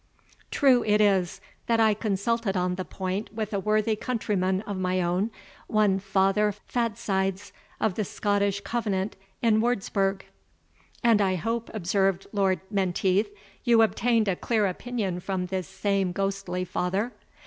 True it is, that I consulted on the point with a worthy countryman of my own, one Father Fatsides, of the Scottish Covenant in Wurtzburg " "And I hope," observed Lord Menteith, "you obtained a clear opinion from this same ghostly father?"